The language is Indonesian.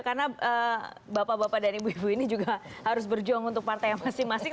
karena bapak bapak dan ibu ibu ini juga harus berjuang untuk partai yang masing masing